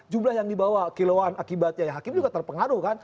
jumlah yang dibawa kilauan akibatnya ya hakim juga terpengaruh kan